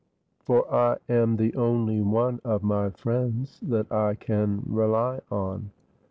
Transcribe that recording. "For I am the only one of my friends that I can rely on."